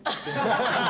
ハハハハ！